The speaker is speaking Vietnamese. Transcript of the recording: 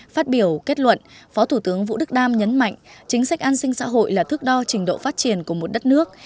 phát biểu kết luận phó thủ tướng vũ đức đam nhấn mạnh chính sách an sinh xã hội là thước đo trình độ phát triển của một đất nước